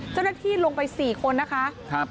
เจ้าหน้าที่ลงไป๔คนนะคะ